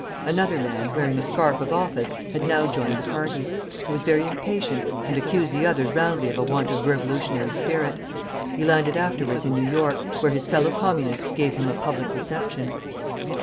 Another man, wearing a scarf of office, had now joined the party. He was very impatient, and accused the others roundly of a want of revolutionary spirit. He landed afterwards in New York, where his fellow Communists gave him a public reception.